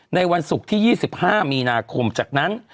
ในวันศุกร์ที่๒๕มีนาคมจากนั้น